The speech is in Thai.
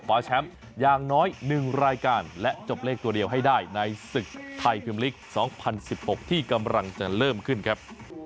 แชมป์อย่างน้อย๑รายการและจบเลขตัวเดียวให้ได้ในศึกไทยพิมพลิก๒๐๑๖ที่กำลังจะเริ่มขึ้นครับ